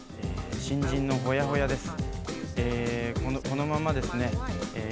新人のほやほやです。